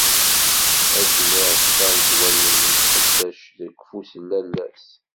Akken i reṣṣant wallen n tqeddact deg ufus lalla-s.